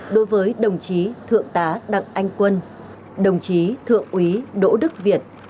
đối với đồng chí thượng tá đặng anh quân đồng chí thượng úy đỗ đức việt